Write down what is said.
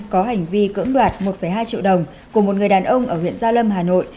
có hành vi cưỡng đoạt một hai triệu đồng của một người đàn ông ở huyện gia lâm hà nội